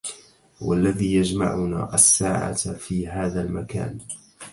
والذي يجمعنا, الساعة في هذا المكان